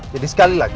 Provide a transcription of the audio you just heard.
jadi sekali lagi